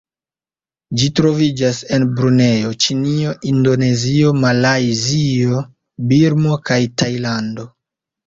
Ĝi troviĝas en Brunejo, Ĉinio, Indonezio, Malajzio, Birmo kaj Tajlando.